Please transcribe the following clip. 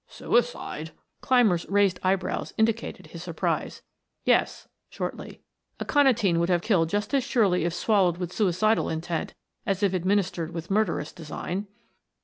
"Suicide?" Clymer's raised eyebrows indicated his surprise. "Yes," shortly. "Aconitine would have killed just as surely if swallowed with suicidal intent as if administered with murderous design."